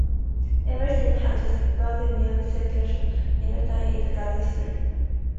Everything has just erupted near the settlement of Netzarim in the Gaza Strip.